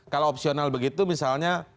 kalau opsional begitu misalnya